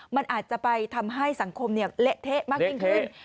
มันอาจจะไปทำให้สังคมเละเทะมากยิ่งขึ้น